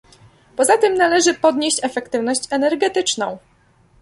Poza tym należy podnieść efektywność energetyczną